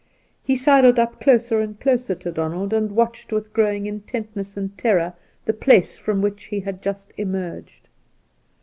He sidled up closer and closer to Donald, and watched with growing intentness and terror the place from which he had just emerged.